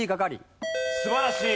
素晴らしい。